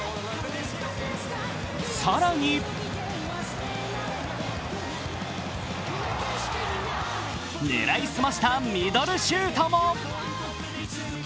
更に、狙いすましたミドルシュートも。